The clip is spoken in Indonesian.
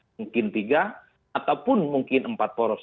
mungkin tiga ataupun mungkin empat poros